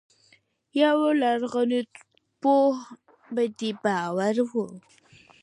یو لرغونپوه په دې باور و.